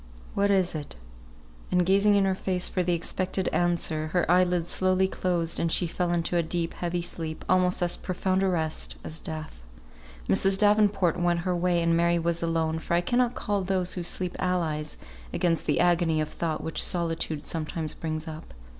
What is it?" And gazing in her face for the expected answer, her eye lids slowly closed, and she fell into a deep, heavy sleep, almost as profound a rest as death. Mrs. Davenport went her way, and Mary was alone, for I cannot call those who sleep allies against the agony of thought which solitude sometimes brings up.